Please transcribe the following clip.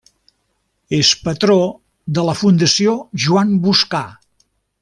És patró de la Fundació Joan Boscà.